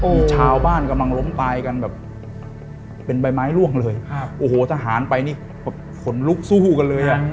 มีชาวบ้านกำลังล้มตายกันแบบเป็นใบไม้ล่วงเลยครับโอ้โหทหารไปนี่แบบขนลุกสู้กันเลยอ่ะ